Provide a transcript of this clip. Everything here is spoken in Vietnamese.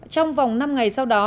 trong vòng năm ngày sau đó